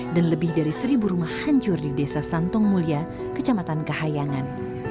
dan lebih dari seribu rumah hancur di desa santong mulia kecamatan kehayangan